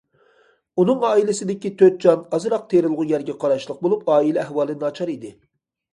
ئۇنىڭ ئائىلىسىدىكى تۆت جان ئازراق تېرىلغۇ يەرگە قاراشلىق بولۇپ، ئائىلە ئەھۋالى ناچار ئىدى.